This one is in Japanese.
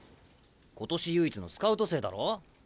今年唯一のスカウト生だろ？